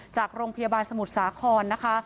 จากโรงพยาบาลสมุทรสาครนะคะ